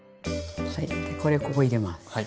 はいこれをここ入れます。